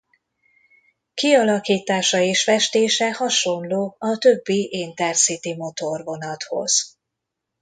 Kialakítása és festése hasonló a többi intercity motorvonathoz.